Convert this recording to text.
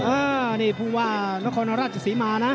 อ้านี่ผู้ว่านครราชสิหม่านะ